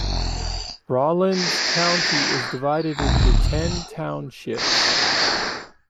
Rawlins County is divided into ten townships.